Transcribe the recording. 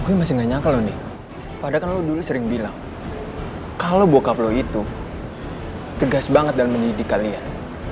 gue masih gak nyangka loh nih padahal kan lo dulu sering bilang kalau bocah lo itu tegas banget dalam mendidik kalian